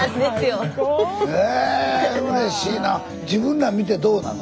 自分ら見てどうなの？